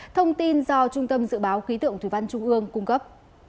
thông tin do trung tâm dự báo khí tượng thủy văn trung ương cung cấp